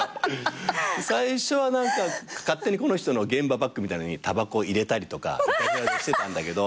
最初は何か勝手にこの人の現場バッグみたいなのにたばこ入れたりとかいたずらでしてたんだけど。